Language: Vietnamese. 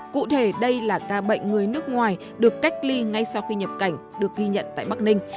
cụ thể đây là ca bệnh người nước ngoài được cách ly ngay sau khi nhập cảnh được ghi nhận tại bắc ninh